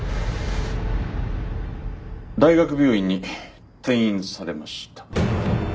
大学病院に転院されました。